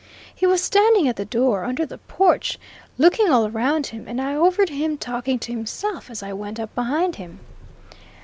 He was standing at the door, under the porch, looking all round him, and I overheard him talking to himself as I went up behind him.